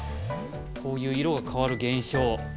こういう色がかわる現象。